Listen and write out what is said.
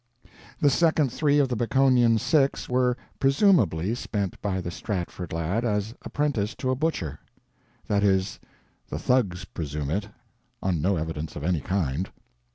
The second three of the Baconian six were "presumably" spent by the Stratford lad as apprentice to a butcher. That is, the thugs presume it—on no evidence of any kind.